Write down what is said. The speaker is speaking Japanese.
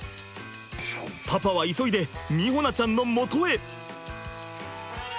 パパは急いで美穂菜ちゃんのもとへ。